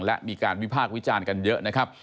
และมีการวิพากษ์วิจารณ์กันเยอะนะครับ